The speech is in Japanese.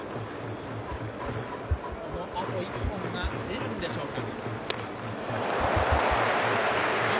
あと一本が出るんでしょうか。